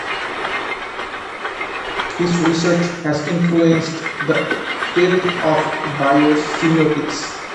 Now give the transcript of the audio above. His research has influenced the field of biosemiotics.